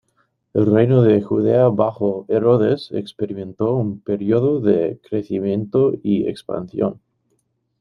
El reino de Judea bajo Herodes experimentó un período de crecimiento y expansión.